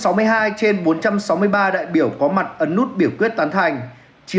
với bốn trăm sáu mươi hai trên bốn trăm sáu mươi ba đại biểu có mặt ấn nút biểu quyết tán thành